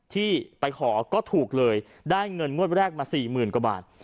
ที่ไปขอก็ถูกเลยได้เงินมั่วแรกมา๔๐๐๐๐กว่าบาท